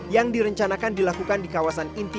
yang direncanakan dilakukan di kawasan inti